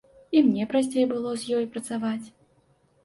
І мне прасцей было з ёй працаваць.